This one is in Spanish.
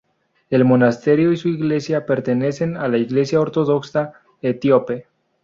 El monasterio y su iglesia pertenecen a la Iglesia ortodoxa etíope.